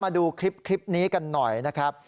มาดูคลิปนี้กันหน่อยนะครับ